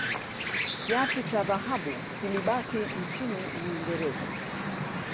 kiatu cha dhahabu kilibaki nchini uingereza